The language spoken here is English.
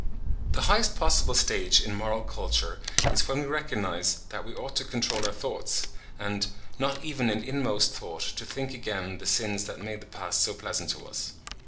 The highest possible stage in moral culture is when we recognise that we ought to control our thoughts, and "not even in inmost thought to think again the sins that made the past so pleasant to us."